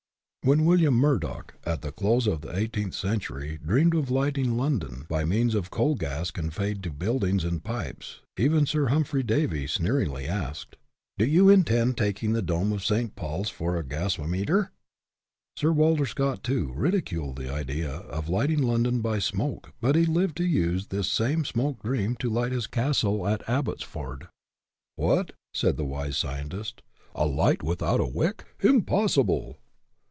When William Murdock, at the close of the eighteenth century, dreamed of lighting Lon don by means of coal gas conveyed to build ings in pipes, even Sir Humphry Davy sneeringly asked, " Do you intend taking the dome of St. Paul's for a gasometer?" Sir Walter Scott, too, ridiculed the idea of light ing London by " smoke/' but he lived to use this same smoke dream to light his castle at Abbottsford. "What!" said the wise scientists, " a light without a wick ? Impos sible!"